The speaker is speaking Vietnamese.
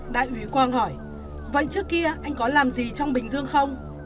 đại úy quang hỏi vậy trước kia anh có làm gì trong bình dương không